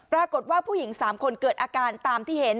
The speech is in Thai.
ปรากฏว่าผู้หญิงสามคนเกิดอาการตามที่เห็น